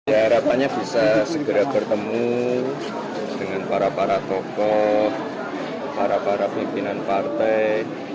ya harapannya bisa segera bertemu dengan para para tokoh para para pimpinan partai